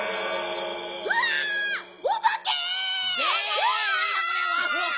うわおばけ！わ！